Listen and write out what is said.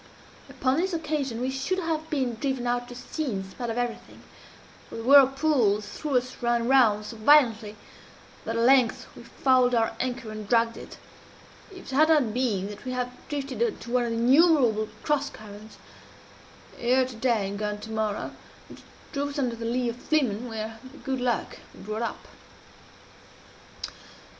Upon this occasion we should have been driven out to sea in spite of everything (for the whirlpools threw us round and round so violently, that, at length, we fouled our anchor and dragged it) if it had not been that we drifted into one of the innumerable cross currents here to day and gone to morrow which drove us under the lee of Flimen, where, by good luck, we brought up.